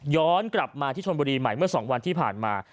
ย้อนกลับมาที่ชนบุรีใหม่เมื่อ๒วันที่ผ่านมา